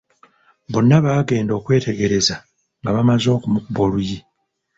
Bonna baagenda okwetegereza nga bamaze okumukuba oluyi.